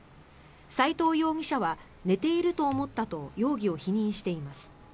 斎藤容疑者は寝ていると思ったと容疑を否認しています。